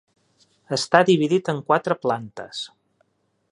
Està dividit en quatre plantes.